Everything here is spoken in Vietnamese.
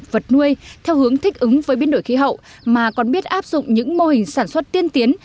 vật nuôi theo hướng thích ứng với biến đổi khí hậu mà còn biết áp dụng những mô hình sản xuất tiên tiến